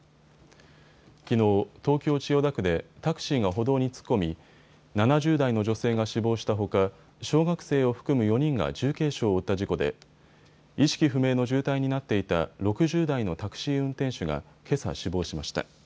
きのう、東京千代田区でタクシーが歩道に突っ込み７０代の女性が死亡したほか小学生を含む４人が重軽傷を負った事故で意識不明の重体になっていた６０代のタクシー運転手がけさ死亡しました。